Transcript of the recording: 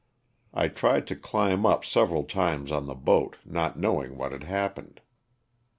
I tried to climb up several times on the boat not knowing what had happened.